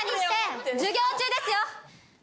授業中ですよ！